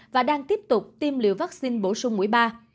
và đang tiếp tục tiêm liều vaccine bổ sung mũi ba